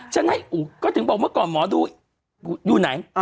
ฉะนั้นก็ถึงบอกเมื่อก่อนหมอดูอยู่ไหน